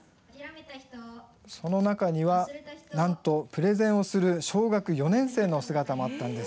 その中にはなんとプレゼンをする小学４年生の姿もあったんです。